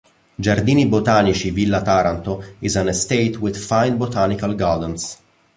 Giardini Botanici Villa Taranto is an estate with fine botanical gardens.